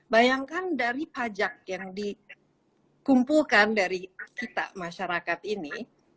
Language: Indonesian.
bayangkan dari pajak yang dikumpulkan dari kita masyarakat ini